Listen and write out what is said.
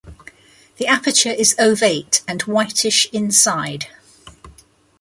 The aperture is ovate and whitish inside.